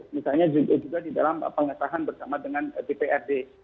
misalnya juga di dalam pengesahan bersama dengan dprd